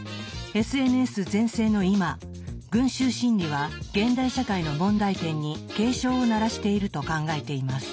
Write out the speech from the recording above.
ＳＮＳ全盛の今「群衆心理」は現代社会の問題点に警鐘を鳴らしていると考えています。